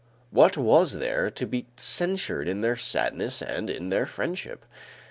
What was there to be censured in their sadness and in their friendship?